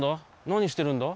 なにしてるんだ？